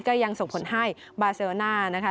ก็ยังส่งผลให้บาเซโรน่านะคะ